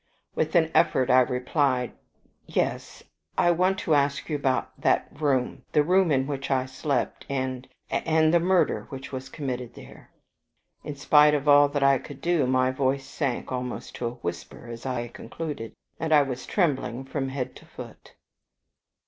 With an effort I replied, "Yes, I want to ask you about that room the room in which I slept, and and the murder which was committed there." In spite of all that I could do, my voice sank almost to a whisper as I concluded, and I was trembling from head to foot.